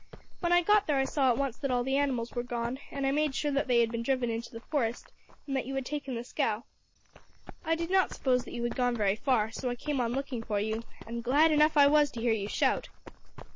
When I got there I saw at once that all the animals were gone, and made sure that they had been driven into the forest, and that you had taken to the scow. I did not suppose that you had gone very far, so I came on looking for you, and glad enough I was to hear your shout."